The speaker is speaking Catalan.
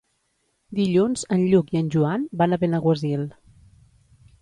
Dilluns en Lluc i en Joan van a Benaguasil.